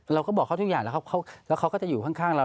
เราก็บอกเขาทุกอย่างแล้วเขาก็จะอยู่ข้างเรา